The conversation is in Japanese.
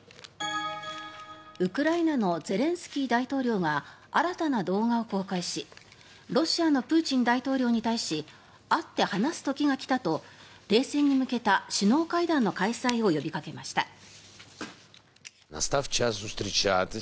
ウクライナのゼレンスキー大統領が新たな動画を公開しロシアのプーチン大統領に対し会って話す時が来たと停戦に向けた首脳会談の開催を呼びかけました。